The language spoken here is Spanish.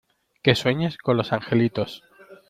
Que sueñes con los angelitos.